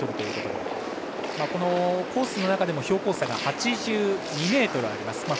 コースの中でも標高差が８２ｍあります。